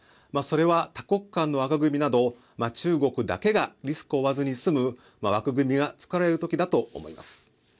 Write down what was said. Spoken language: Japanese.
それは多国間の枠組みなど中国だけがリスクを負わずに済む枠組みが作られるときだと思います。